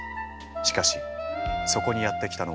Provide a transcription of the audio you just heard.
しかしそこにやって来たのは。